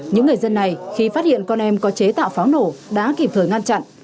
những người dân này khi phát hiện con em có chế tạo pháo nổ đã kịp thời ngăn chặn